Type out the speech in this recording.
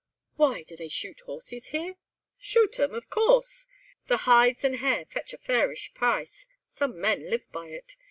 "Why! do they shoot horses here?" "Shoot 'em, of course! The hides and hair fetch a fairish price. Some men live by it.